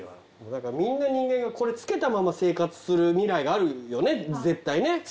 みんな人間がこれ着けたまま生活する未来があるよね絶対ね。